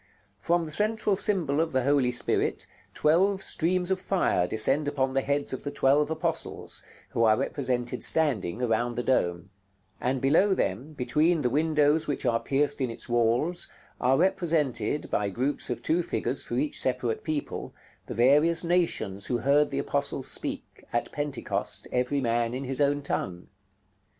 From the central symbol of the Holy Spirit twelve streams of fire descend upon the heads of the twelve apostles, who are represented standing around the dome; and below them, between the windows which are pierced in its walls, are represented, by groups of two figures for each separate people, the various nations who heard the apostles speak, at Pentecost, every man in his own tongue.